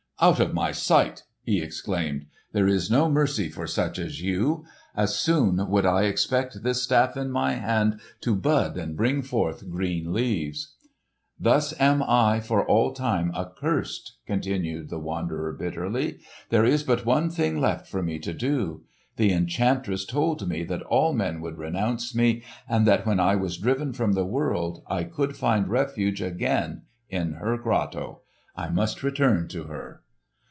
"'Out of my sight!' he exclaimed. 'There is no mercy for such as you! As soon would I expect this staff in my hand to bud and bring forth green leaves.' "Thus am I for all time accursed," continued the wanderer bitterly. "There is but one thing left for me to do. The enchantress told me that all men would renounce me and that when I was driven from the world I could find refuge again in her grotto. I must turn to her."